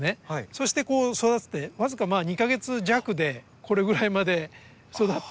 そして育てて僅か２か月弱でこれぐらいまで育って花が咲きます。